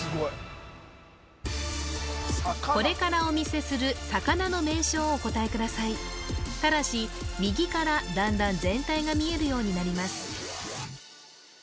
これからお見せする魚の名称をお答えくださいただし右からだんだん全体が見えるようになります